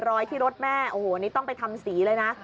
รอยที่รถแม่โอ้โหนี่ต้องไปทำสีเลยนะ